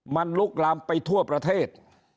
มันลุกลามไปทั่วประเทศ